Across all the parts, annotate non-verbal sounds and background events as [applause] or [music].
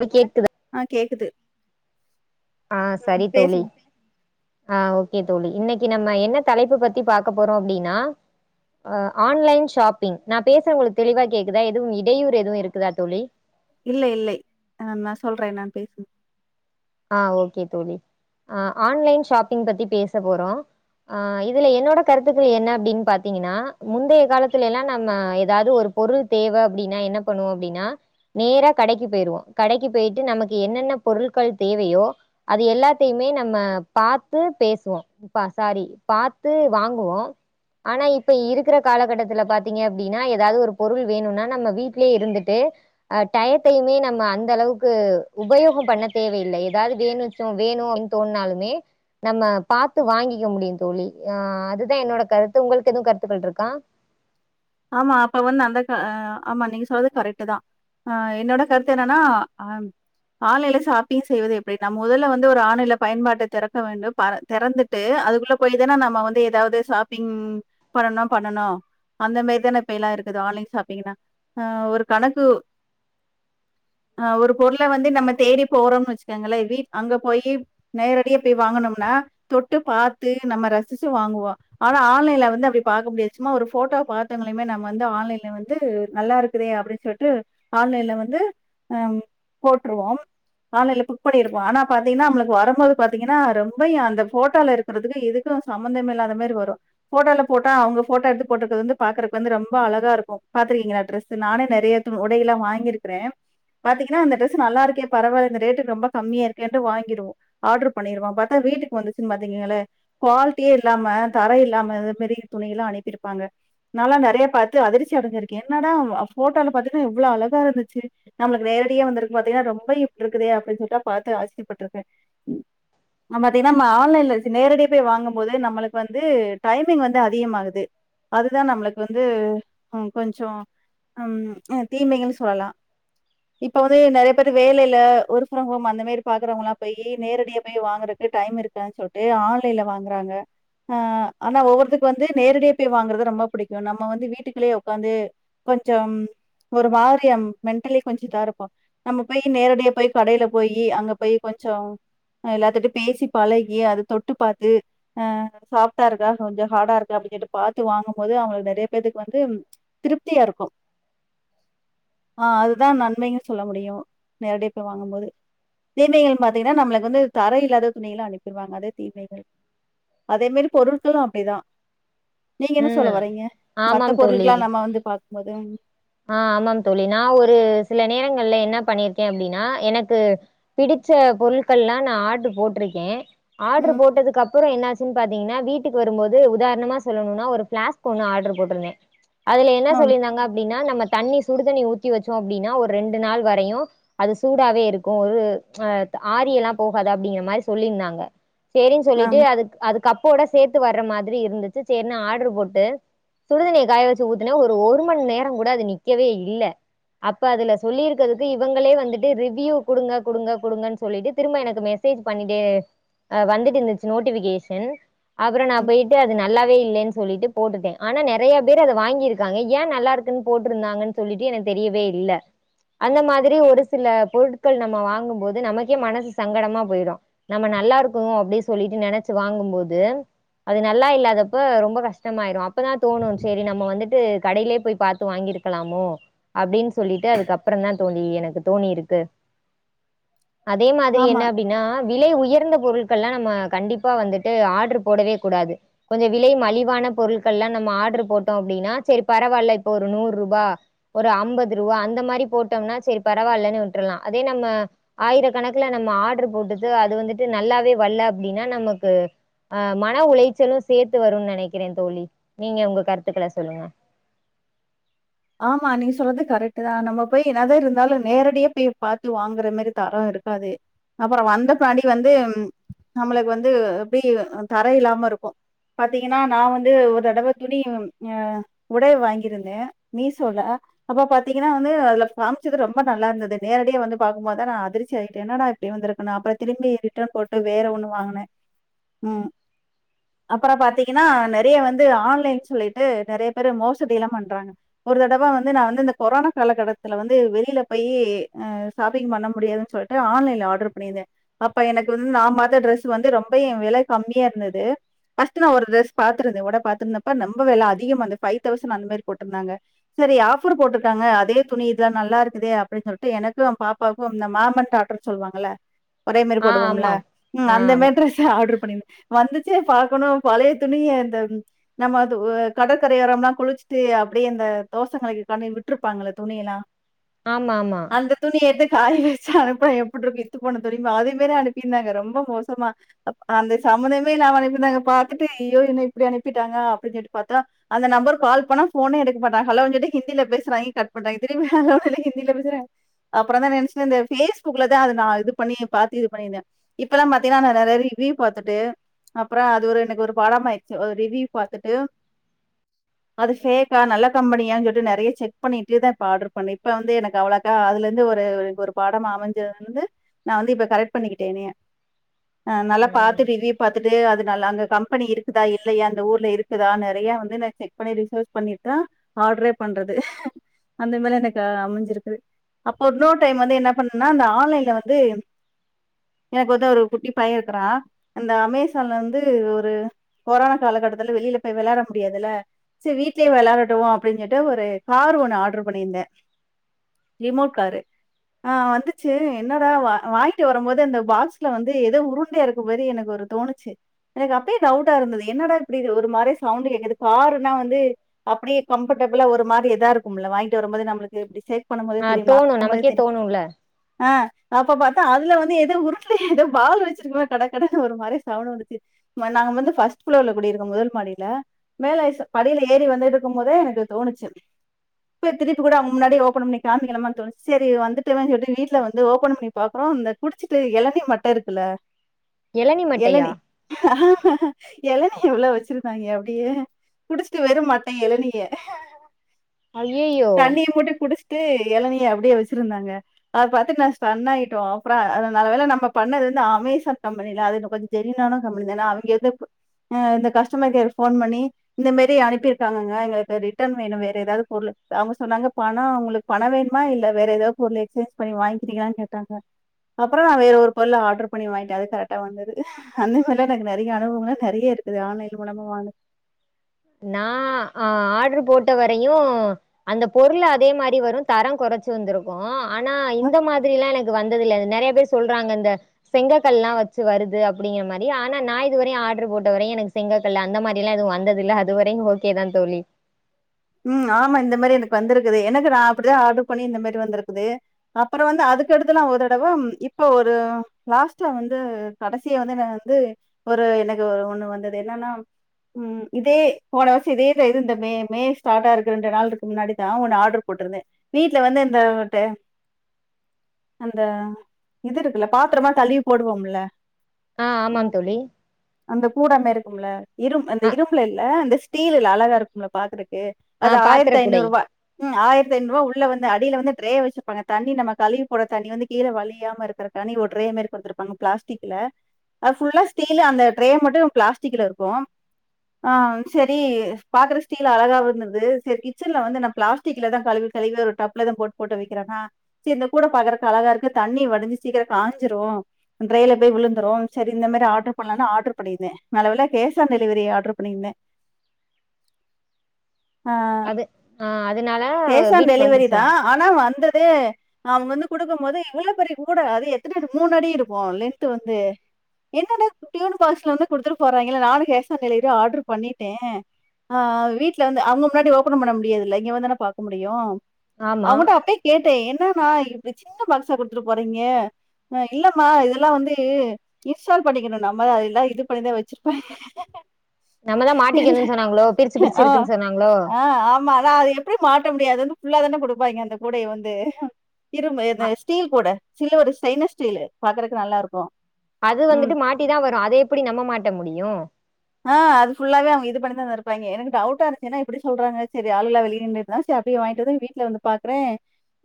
இப்ப கேக்குதா வணக்கம் ஆ கேக்குது ஆஹ ம் சரி தோழி பேசுங்க ஆஹ ஓக் கே தோழி இன்னைக்கு நம்ம என்ன தலைப்பு பத்தி பாக்க போறோ அப்டின்னா அஹ் ஆன்லைன் ஷாப்பிங் நா பேசற்த் உங்களுக்கு தெளிவா கேக்குதா எதுவு இடையூர் எதுவு இருக்குதா தோழி இல்லை இல்லை அ நா சொல்றே நான் பேசுங் ஆஹ் ஓகே தோழி அஹ் ஆன்லைன் ஷாப்பிங் பத்தி பேச போறோ அஹ் இதுல என்னோட கருத்துக்கள் என்ன அப்டின் பாத்தீங்கன்னா முந்தைய காலத்துலெல்லா நம்ம எதாவது ஒரு பொருள் தேவ அப்டின்னா என்ன பண்ணுவோ அப்டின்னா நேரா கடைக்கு போயிருவோ கடைக்கு போயிட்டு நமக்கு என்னென்ன பொருள்கள் தேவையோ அது எல்லாத்தயுமே நம்ம பாத்து பேசுவோ இப்பா சாரி பாத்து வாங்குவோ ஆனா இப்ப இருக்கற காலகட்டத்துல பாத்தீங்க அப்டின்னா எதாவது ஒரு பொருள் வேணுன்னா நம்ம வீட்லயே இருந்துட்டு அஹ் டயத்தையுமே நம்ம அந்த அளவுக்கு உபயோகோ பண்ண தேவயில்ல எதாவது வேணுச்சோ வேணு அப்பிட்ன் தோண்னாலுமே நம்ம பாத்து வாங்கிக்க முடியு தோழி அஹ் அது தா என்னோட கருத்து உங்கள்க்கு எது கருத்துக்கள்ருக்கா ஆமா அப்ப வந்து அந்த கா அ ஆமா நீங்க சொல்து கரெக்ட்டு தா ஆஹ் என்னோட கருத்து என்னன்னா அஹ் ஆன்லைன்ல சாப்பிங் செய்வது எப்டி நாம் முதல்ல வந்து ஒரு ஆன்லைல பயன்பாட்ட தெறக்க வேண்டும் பர தெறந்துட்டு அதுக்குள்ள போயி தான நம்ம வந்து எதாவ்து சாப்பிங் பண்ணனுனா பண்ணனு அந்த மாரி தான இப்பயெல்லா இருக்குது ஆன்லைன் சாப்பிங்குனா அ ஒரு கணக்கு ஆஹ் ஒரு பொருள வந்து நம்ம தேடி போறோம்னு வெச்சுக்கோங்களே வீட் அங்க போயி நேரடியா போய் வாங்கனும்னா தொட்டு பாத்து நம்ம ரசிச்சு வாங்குவோ ஆனா ஆன்லைன்ல வந்து அப்டி பாக்க முடியாது சும்மா ஒரு ஃபோட்டோ பாத்தங்களைமே நம்ம வந்து ஆன்லைன்ல வந்து நல்லாருக்குதே அப்டின் சொல்ட்டு ஆன்லைன்ல வந்து அம் போட்ருவோம் ஆன்லைன்ல புக் பண்ணிருப்போ ஆனா பாத்தீங்கன்னா நம்ளுக்கு வரம்போது பா்த்தீங்கன்னா ரொம்பயு அந்த ஃபோட்டோலருக்கறதுக்கு இதுக்கு சம்மந்தமே இல்லாத மாரி வரு ஃபோட்டோல போட்டா அவங்க ஃபோட்டோ எடுத்து போட்ருக்கற்து வந்து பாக்குறக்கு வந்து ரொம்ப அழகா இருக்கும் பாத்துருக்கீங்களா டிரெஸ் நானே நெறைய து உடையில்லா வாங்கியிருக்கிறே பாத்தீங்கன்னா அந்த டிரெஸ் நல்லா இருக்கே பரவால இந்த ரேட்டுக்கு ரொம்ப கம்மியா இருக்கேன்ட்டு வாங்கிருவோ ஆர்டர் பண்ணிருவோ பாத்தா வீட்டுக்கு வந்துச்சு பாத்தீங்கனாலே குவாலிட்டியே இல்லாம தர இல்லாம இது மாரி துணி எல்லா அனுப்பிருப்பாங்க நாலா நெறைய பாத்து அதிர்ச்சி அடைஞ்சுருக்கே என்னடா போட்டோல பாத்துட்டு இவ்ளோ அழகா இருந்துச்சு நம்மளுக்கு நேரடியே வந்திருக்கு பாத்தீங்கன்னா ரொம்ப இப்டி இருக்குதே அப்டின்னு சொல்ட்டு பாத்து ஆச்சர்யபட்ருக்கே ந பாத்தீங்கன்னா நம ஆன்லைன்ல நேரடியே போய் வாங்கும் போது நம்மளுக்கு வந்து டைமிங் வந்து அதிகமாகுது அது இதா நம்மளுக்கு வந்து அ கொஞ்ச ம் ம் தீமைகள்ன் சொல்லலா இப்ப வந்து நெறைய பேர் வேலைல ஒர்க் ஃப்ரம் ஹோம் அந்த மாரி பாக்குறவங்ளாம் போயி நேரடியா போய் வாங்கறக்கு டைம் இருக்காது சொல்ட்டு ஆன்லைன்ல வாங்குறாங்க ஆ ஆனா ஒவ்வொருத்துக்கு வந்து நேரடியா போய் வாங்கறது ரொம்ப புடிக்கு நம்ம வந்து வீட்டுக்குள்ளேயே ஒக்காந்து கொஞ்சம் ஒரு மாதிரிய மென்டலி கொஞ்சம் இதா இருப்போ நம்ம போய் நேரடியே போய் கடையில போய் அங்க போய் கொஞ்சம் எல்லாத்திட்டையும் பேசி பழகி அ தொட்டு பாத்து அ சாஃப்ட்டா இருக்கா கொஞ்சம் ஹார்டா இருக்கா அப்டின் சொல்ட்டு பாத்து வாங்க போது அவங்களுக்கு நிறைய பேத்துக்கு வந்து திருப்தியா இருக்கும் ஆ அதுதா நன்மையு சொல்ல முடியு நேரடியா பேய் வாங்கும்போது தீமைகள்னு பாத்தீங்கன்னா நம்மளுக்கு வந்து தர இல்லாத துணியிலா அனுப்பிருவாங்க அதா தீமைகள் அதே மாரி பொருட்களு அப்டிதா சொல்ல ம் வரிங்க மத்த ஆமாம் தோழி பொருள்கலா நம வந்து பா மொதன் ஆ ஆமாம் தோழி நா ஒரு சில நேரங்கள்ல என்ன பண்ணிருக்கே அப்டின்னா எனக்கு பிடிச்ச பொருட்கள்லா நா ஆர்டர் போட்ருக்கே ஆர்டரு ம், போட்டதுக்கு அப்புற என்னாச் கு பாத்தீங்கன்னா வீட்டுக்கு வரும்போது உதாரணமா சொல்லணுனா ஒரு ஃபிளாஸ்க் ஒண்ணு ஆர்டர் போட்ருந்தே அதுல என்ன ஆம், சொல்லியிருந்தாங்க அப் அனா நம்ம தண்ணி சுடுதண்ணி ஊத்தி வச்சோ அப்டின்னா ஒரு ரெண்டு நாள் வரையு அது சூடாவே இருக்கு ஒரு அஹ ஆரியெல்லா போகாது அப்டிங்கிற மாரி சொல்லியிருந்தாங்க சேரின்னு சொல்லிட்டு ஆம், அதுக் அதுக் கப்போட சேத்து வர்ற மாதிரி இருந்துச்சு சேர்னு ஆட்ரு போட்டு சுடுதண்ணிய காய வச்சு ஊத்துன ஒரு ஒருமண் நேர கூட அது நிக்கவே இல்ல அப்ப அதுல சொல்லி இருக்கதுக்கு இவங்களே வந்துட்டு ரிவ்யூ குடுங்க குடுங்க குடுங்கன் சொல்லிட்டு திரும்ப எனக்கு மெசேஜ் பண்ணிண்டே வந்துட்ருந்துச்சு நோட்டிஃபிகேஷன் அப்புறோ நா ம். போயிட்டு அது நல்லாவே இல்லைன்னு சொல்லிட்டு போட்டுட்டே ஆனா நெறையா பேர் அத வாங்கிருக்காங்க ஏ நல்லாருக் ரிட்டன் போட்ருந்தாங்கன் சொல்லிட்டு எனக்கு தெரியவே இல்ல அந்த மாதிரி ஒரு சில பொருட்கள் நம்ம வாங்கு போது நமக்கே மனசு சங்கடமா போயிடு நம்ம நல்லா இருக்கு அப்டி சொல்லிட்டு நெனைச்சு வாங்கு போது அது நல்லா இல்லாதப்ப ரொம்ப கஷ்டமாயிரு அப்பதா தோணு சேரி நம்ம வந்துட்டு கடையிலே போய்ப்பாத்து வாங்கியிருக்கலாமோ அப்படின் சொல்லிட்டு அதுக்கப்றோ தா தோழி எனக்கு தோணியிருக்கு அதே மாதிரி என்ன ஆமா, அப்டின்னா விலை உயர்ந்த பொருட்கள் எல்லா நம்ம கண்டிப்பா வந்துட்டு ஆட்ரு போடவே கூடாது கொஞ்சோ விலை மலிவான பொருட்கள் எல்லா நம்ம ஆட்ரு போட்டோ அப்படின்னா சரி பரவால்ல ஒரு நூறுபா ஒரு அம்பது ரூவா அந்த மாதிரி போட்டம்னா செரி பரவால்லன் விட்டுரலா அதே நம்ம ஆயிரக்கணக்குல நம்ம ஆர்டரு போட்டுட்டு அது வந்துட்டு நல்லாவே வல்ல அப்டின்னா நமக்கு அ மன உளைச்சலு சேத்து வருன் நெனைக்கிறே தோழி நீங்க உங்க கருத்துக்கள சொல்லுங்க ஆமா நீங்க சொல்றது கரெக்ட்தா நம்ம போய் என்னாதா இருந்தாலு நேரடியா போய் பாத்து வாங்குற மாரி தர இருக்காது அப்புற வந்த பின்னாடி வந்து நம்மளுக்கு வந்து எப்டி தர இல்லாம இருக்கு பாத்திங்கனா நா வந்து ஒரு தடவ துணி அ உடை வாங்கிருந்தே மீசோல அப்ப பாத்தீங்கன்னா வந்து அதுல காமிச்சது ரொம்ப நல்லா இருந்தது நேரடியே வந்து பாக்கு போதுதா நா அதிர்ச்சி ஆயிட்டே என்னடா இப்படி வந்திருக்கணு அப்றோ திரும்பி ரிட்டன் போட்டு வேற ஒன்னு வாங்குனே ம் அப்றோ பாத்தீங்கன்னா நெறைய வந்து ஆன்லைன் சொல்லிட்டு நெறையா பேரு மோசடில்லா பண்றாங்க ஒரு தடவ வந்து நா வந்து இந்த கொரோனா காலக்கட்டத்துல வந்து வெளில போய் ஷாப்பிங் பண்ண முடியாதுன் சொல்ட்டு ஆன்லைன்ல ஆர்டர் பண்ணிருந்தே அப்ப எனக்கு வந்து நா பாத்த டிரெஸ் வந்து ரொம்பயு வெலை கம்மியா இருந்துது ஃபஸ்ட் நா ஒரு ட்ரெஸ் பாத்திருந்த உட பாத்திருந்தப்ப நொம்ப வெலை அதிகமா இந்து ஃபைவ் தௌசண்ட் அந்த மாரி போட்ருந்தாங்க சரி ஆஃபர் போட்டுட்டாங்க அதே துணி இத்தா நல்லா இருக்குதே அப்படின் சொல்ட்டு எனக்கு எ பாப்பாக்கும் அ இந்த மாம் அன் டாட்டர் சொல்லுவாங்கல்ல ஒரே மாரி ஆ போடுவோம்ல ஆமாம். ம் அந்த ஆம். மாரி ட்ரஸ் ஆட்ரு பண்ணிரு வந்துச்சே பாக்கணு பழைய துணி இந்த நம்ம அ கடற்கரையோரம்ல்லா குளிச்சுட்டு அப்படியே அந்த தோஷ கழிக்கிற காண்டி விட்டுருப்பாங்கல்ல துணி எல்லா ஆமாமா. அந்த துணி எடு காய வெச்சு அனுப்புனா எப்புட்ருக்கு இத்து போன துணிமா அதே மாரி அனுப்பிருந்தாங்க ரொம்ப மோசமா அ அந்த சம்மந்தமே இல்லாம அனுப்பிருந்தாங்க பாத்துட்டு யயோ என்ன இப்புடி அனுப்பிட்டாங்க அப்டின் சொல்லிட்டு பாத்தா அந்த நெம்பர்க் கால் பண்ணா ஃபோனே எடுக் க மாட்டாங் ஹலோன் சொல்ட்டு ஹிந்தில பேசறாய்ங்க கட் பண்றாய்ங்க திரும்பி ஹலோங்றாய்ங்க ஹிந்தில பேசுறாங்க அப்பறந்தா நெனைச்ட்ட இந்த ஃபேஸ்புக்லதா அது நா இது பண்ணி பாத்து இது பண்ணிருந்தே இப்பெலாம் பாத்திங்னா நா நெறைய வி வ்யு பாத்துட்டு அப்ற அது ஒரு எனக்கு ஒரு பாடமாயிடுச்சு ஒ ரிவ்யூ பாத்துட்டு அது சே [unintelligible] நல்ல கம்பெனியான் சொல்லிட்டு நெறையா செக் பண்ணிட்டேதா இப்ப ஆட்ரு பண்ணே இப்ப வந்து எனக்கு அவ்ளோக்கா அதுல இருந்து ஒரு ஒரு பாடம் அமைஞ்சதுலருந்து நா வந்து இப்ப கரெக்ட் பண்ணிக்கிட்டே என்னிய ஆஹ் நல்லா ம். பாத்துட்டு ரிவியூ பாத்துட் து அதனால அங்க கம்பெனி இருக்குதா இல்லையா அந்த ஊர்ல இருக்குதா நெறைய வந்து இந்த செக் பண்ணி ரிசர்ச் பண்ணிட் தா ஆட்ரே பண்றது அந்த மார்லா எனக்கு அமஞ்சிருக்குது அப்ப இன்னோர் டைம் வந்து என்ன பண்ணுனா இந்த ஆன்லைன்ல வந்து ம் எனக் வந்து ஒரு குட்டி பைய இருக்கறா அந்த அமேசான்ல வந்து ஒரு கொரானா காலகட்டத்துல வெளில போய் வெளாட முடியாதுல்ல செரி வீட்லே வெளாடட்டு அப்டின் சொல்ட்டு ஒரு காரு ஒன்னு ஆர்டர் பண்ணியிருந்தே ரிமோட் காரு ஆஹ் வந்துச்சு என்னடா வா வாங்கிட்டு வரும் போது அந்த பாக்ஸ்ல வந்து எதோ உருண்டையா இருக்கு மாரி எனக்கு ஒரு தோணுச்சு எனக்கு அப்பே டவுட்டா இருந்துது என்னடா இப்டி இது ஒரு மார சவுண்டு கேக்குது காருன்னா வந்து அப்டியே கம்படபுளா ஒரு மாதி இதா இருக்குமில்ல வாங்கிட்டு வரம்போதே நம்ளுக்கு எப்டி சே ஆஹ் தோணு நமக்கே தோணுல்ல ஆ அப்ப பாத்தா அதுல வந்து எதோ உருண்டையா எதோ பால் வெச்சிருக்க மார் கடகடனு ஒரு மாரி சவுண்டு வந்துச்சு ம நாங்க வந்து ஃபஸ்ட் ஃபளோர்ல குடியிருக்கோ முதல் மாடியில மேல ச படியில ஏறி வந்து எடுக்கும் போதே எனக்கு தோணுச்சு அப்யே திருப்பி கூட அவ்ங் முன்னாடி ஓபன் பண்ணி கமிக்கலாமான் தோணுச்சு செரி வந்துட்டமேன் சொல்ட்டு [unintelligible] வீட்ல வந்து ஓபன் பண்ணி பாக்கறோ அந்த குடிச்சிட்டு எளநி மட்டு இருக்குல்ல இளநி மட்டையா? எளநீ எளநிய உள்ள வச்சிருக்காங்ய அப்படியே குடிச்ட்டு வெறும் மட் எளநிய ஐயையோ தண்ணிய மட்டு குடிச் டு எளநிய அப்டியே வெச்சிருந்தாங்க அது பாத்து நா ஸ்டன் ஆயிட்டோ அப்றோ அது நல்ல வேல நம்ம பண்ணது வந்து அமேசான் கம்பெனில அது என்மோ கொஞ்சோ ஜெனியூனான கம்பெனி தா ஏனா அவங்க [unintelligible] அ, இந்த கஸ்டமர் கேர்க்கு ஃபோன் பண்ணி இந்த மாரி அனுப்பி டாங்கங்க எங்களுக்கு ரிட்டன் வேணு வேற எதாவ்து பொருளு அவங்க சொன்னாங்க பணோ உங்களுக்கு பணோ வேணுமா இல்ல வேற எதாவ் பொருளு எக்சேஞ் பண்ணி வாங்க்கிறீங்களானு கேட்டாங்க அப்பறோ நா வேற ஒரு பொருள ஆட்ரு பண்ணி வாங்ட்டே அது கரெக்ட்டா வந்துது அந்த மார்லா எனக்கு நெறைய அனுபவமுல்லா நெறைய இருக்குது ஆன்லைன்னு மூலமா வாங்னது நா ஆ, ஆட்ரு போட்ட வரையு அந்த பொருள் அதே மாரி வரு தரோ கொறச்சு வந்திருக்கு ஆனா இந்த மாதிரில்லா எனக்கு வந்ததில்ல நெறைய பேர் சொல்றாங்க அந்த செங்கக்கல்லா வச்சு வருது அப்படிங்கிற மாரி ஆனா நா இதுவரையு ஆட்ரு போட்டவரையு எனக்கு செங்கக்கல் அந்த மாரி எல்லா எது வந்ததில்ல அ துவரையு ஓகே தான் தோழி உம் ஆமா இந்த மாதிரி எனக்கு வந்திருக்குது எனக்கு நான் அப்டிதான் ஆர்டர் பண்ணி இந்த மாதிரி வந்திருக்குது அப்புறம் வந்து அதுக்குடுத்துல்லா ஒரு தடவை இப்ப ஒரு லாஸ்ட வந்து கடைசிய வந்து வந்து ஒரு எனக்கு ஒரு ஒண்ணு வந்தது என்னன்னா உஹம் இதே போன வருஷோ இதே இது இந்த மே மே ஸ்டாரா இருக்கு ரெண்டு நாள்க்கு முன்னாடி தான் உன்ன ஆர்டர் போட்டிருந்தேன் வீட்டுல வந்து இந்த அந்த இது இருக்குல்ல பாத்திரமா கழவி போடுவோம்ல ஆஹ் அ ஆமா தோழி அந்த கூடா இருக்கும்ல இரும் அந்த ஆ இரும்பல இல்ல அந்த டீல் அழகா இருக்கும் பாக்றக்கு ஆ அது பாத்திர ஆயிரத்தி குடை ஐநூறு ரூபா ஆயிரத்தி ஐநூ ரூபா உள்ள வந்து அடியில வந்து ட்ரே வச்சிருப்பாங்க தண்ணி நம்ம கழுவி போடுற தண்ணி வந்து கீழ வலியாம இருக்கிறதுக்காண்டி ஒரு ட்ரே மாதிரி குடுத்திருப்பாங்க பிளாஸ்டிக்ல அது புல்லா ஸ்டீல் ட்ரே மட்டும் பிளாஸ்டிக் ல இருக்கும் ஹம் செரி பாத்திர ஸ்டீல் அழகா வந்தது செரி கிச்சன்ல வந்து பிளாஸ்டிக்ல தான் கழுவி கழுவி டாப்ல தான் போட்டு போட்டு வைக்கிறனா சேரி இந்த கூட பாக்குறதுக்கு அழகா இருக்கு தண்ணி வடிஞ்சு சீக்கிரோ காஞ்சிறு ட்ரைல அப்டியே விழுந்துரும் சேரி இந்த மாதிரி ஆட்ரு பண்லாம்னு ஆட்ரு பண்ணிருந்தே நல்லவேல கேஷ் ஆன் டெலிவரி ஆட்ரு பண்ணி இருந்தேன் ஆஹ அது ஆ அதனால கேஷ் ஆன் வீட்டுக்கு டெலிவரி வந்துச்சா தான் ஆனா வந்த வந்து அவங்க வந்து குடுக்கும்போது எவ்ளோ பெரிய கூட அது எத்தனடி மூனடி இருக்கும் லென்த் வந்து என்னடா குட்டியூண்டு பாக்ஸ்ல வந்து குடுத்துட்டு போறாங்களே நானும் கேஷ் ஆன் டெலிவரி டெலிவரில்ல ஆட்ரு பண்ணிட்டேன் ஆஹ் விட் வந்து அவங்க முன்னாடி ஓபனும் பண்ண முடியாது ல இங்க வந்துதான பாக்க முடியு ஆமா அவ்ன்ட்ட அப்பே கேட்டேன் என்ன நான் இப்டி சின்ன பாக்ஸா குடுத்துட்டு போறீங்கஹ இல்லம்மா இதெல்லாம் வந்து இன்ஸ்டால் பண்ணிக்கணும நம்ம அத எல்லாம் இது பண்ணிதான் வச்சிருப்பே நம்மதான் மாட்டிக்கணு சொன்னாங்களோ பிரிச்சு பிரிச்சி இருக்குன்னு சொன்னாங்க ஆஹ் ஆமா ஆனா அத எப்டி மாட்ட முடியாது அது வந்து ஃபுல்லா தான கொடுப்பாங்க அந்த கூடைய வந்து அ [unintelligible] ஸ்டீல் கூட சில ஒரு சைன ஸ்டீலு பாக்குறக்கு நல்லா இருக்கூ அது வந்துட்டு மாட்டித வரு அதை எப்புடி நம்ம மாட்ட முடியு ஆஹ் அது ஃபுல்லாவே அவங்க இது பண்ணித தந்துருப்பாங்க எனக்கு டவுட்டா இருந்துச் என்னா இப்புடி சொல்றாங்க செரி ஆளுளா வெளியே நின்னுட்டு இருந்த செரி அப்புடியே வாங்கிட்டு வந்து வீட்டுலே வந்து பாக்குறே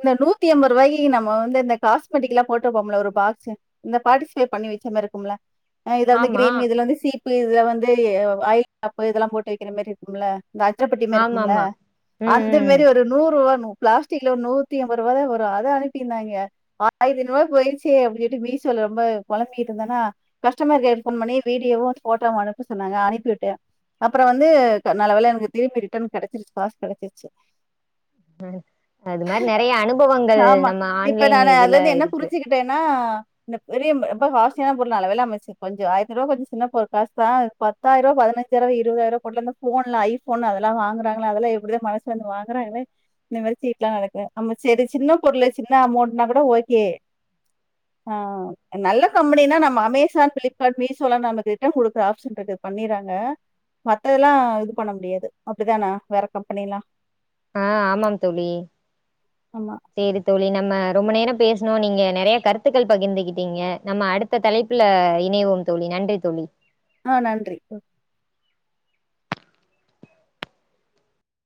இந்த நூத்திஎம்பதுரூவய்க்கி நம்ம வந்து இந்த காஸ்மெட்டிக்ல்லா போட்டுவப்பமுலே ஒரு பாக்ஸு இந்த பார்டிசிபேட் பண்ணி வச்ச மாிருக்கும்லே ஆஹ் இதல வந்து ஆமா கிரீம் இதுல வந்து சீப் இதுல வந் இது ஆயில் காப்பு இதெல்லா போட்டு வைக்கிற மாரி இருக்கும்ல இந்த ஆமா அச்சப்பட்டிமாரிருக்கும்ல ஆமா ம் அந்த ம் மேரி ஒரு நூறு வேனு பிளாஸ்டிக்ல ஒரு நூத்தி ஐம்பது ரூபா தா வரு அத அனுப்பிருந்தாங்க ஆயிரத்திஐரூபா போய்டுச்சு அப்புடின்னு மீசோல ரொம்ப குழம்பிட்டு இருந்தனா கஸ்டமர் கேர்க் போன் பண்ணி வீடியோவு போட்டோவு அணுப் ப்பா சொன்னாங்க அனுப்பிவிட்டே அப்புறோ வந்து நல்லா வேல எனக்கு திருப்பி ரிட்டன் கிடைச்சிருச்சு காசு கிடைச்சிருச்சு அது மாரி நெறைய அனுபவங்கள் ஆமா. நம்ம இப்ப ஆன்லைன் இதுல இருக்கு இன்னு பெரிய ரொம்ப காசியான பொருள் நல்ல வேல மிச்சு கொஞ்சோ ஆயிரத்திஐரூபா கொஞ்சோ சின்ன பொரு காசு ஹே பத்தாயிருவா பதினஞ்சாயிருவா இருவதுதாயிர போட்டுலந்த போன்ல ஐபோன் அதெல்ல வாங்குறாங்களா அதல்ல எப்படித மனசு வந்து வாங்கறாங்களே இந்த மாரி சீட்லா நடக்குது நம்ம சேரி சின்ன பொருள் சின்ன அமௌண்ட்னா கூட ஓகே ஆ நல்ல கம்பெனினா நம்ம அமேசான் ஃபிளிப்கார்ட் மீசோல நமக்கு ரிட்டன் கொடுக் தே ஆப்ஷன் தெட் இத பண்ணிறாங்க மத்ததெல்ல இது பண்ண முடியாது அப்டிதான வேற கம்பெனில்லா ஆஹ் ஆமாம் தோழி ஆமா. செரி தோழி நம்ம ரொம்ப நேரம் பேசணோ நீங்க நெறைய கருத்துக்கள் பகிர்ந்துகிட்டீங்க நம்ம அடுத்த தலைப்புல இணைவோம் தோழி நன்றி தோழி ஆஹ் நன்றி